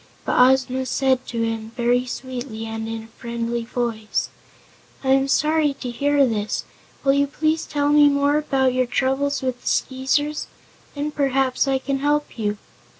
But Ozma said to him, very sweetly and in a friendly voice: "I am sorry to hear this. Will you please tell me more about your troubles with the Skeezers? Then perhaps I can help you."